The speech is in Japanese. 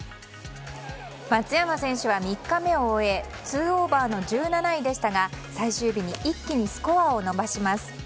松山選手は３日目を終え２オーバーの１７位でしたが最終日に一気にスコアを伸ばします。